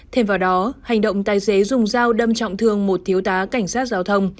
thêm vào đó hành động tài xế dùng dao đâm trọng thương một thiếu tá cảnh sát giao thông